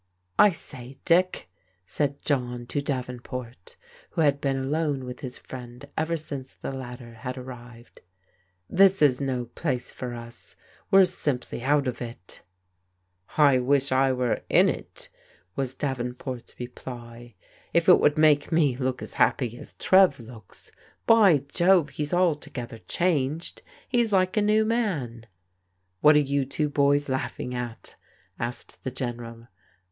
" I say, Dick," said John to Davenport who had been alone with his friend ever since the latter had arrived, " this is no place for us ; we're simply out of it" " I wish I were in it, was Davenport's reply, " if it would make me look as happy as Trev looks. By Jove, he's altogether changed. He's like a new man !" "What are you two boys laughing at?" asked the General.